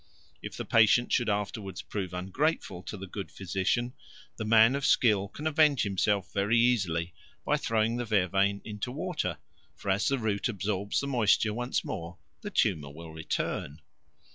If the patient should afterwards prove ungrateful to the good physician, the man of skill can avenge himself very easily by throwing the vervain into water; for as the root absorbs the moisture once more, the tumour will return.